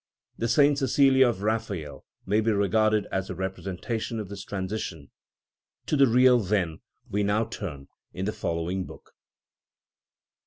The St. Cecilia of Raphael may be regarded as a representation of this transition. To the real, then, we now turn in the following book.